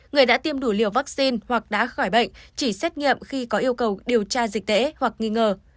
người đã tiêm đủ liều vaccine hoặc đã khỏi bệnh chỉ xét nghiệm khi có yêu cầu điều tra dịch tễ hoặc nghi ngờ